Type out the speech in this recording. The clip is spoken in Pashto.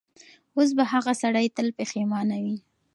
اوس به هغه سړی تل پښېمانه وي.